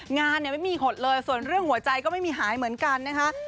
งานเนี่ยไม่มีหดเลยส่วนเรื่องหัวใจก็ไม่มีหายเหมือนกันนะคะ